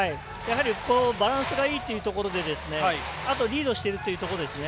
バランスがいいというところであとリードしているというところですね。